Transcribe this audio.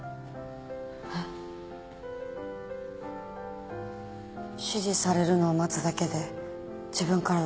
えっ？指示されるのを待つだけで自分から動かないとか。